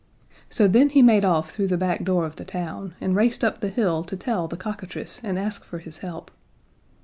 So then he made off through the back door of the town, and raced up the hill to tell the cockatrice and ask for his help.